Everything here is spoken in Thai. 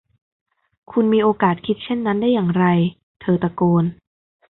คุณมีโอกาสคิดเช่นนั้นได้อย่างไร เธอตะโกน